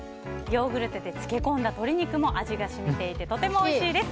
ヨーグルトで漬けこんだ鶏肉も味が染みていてとてもおいしいです。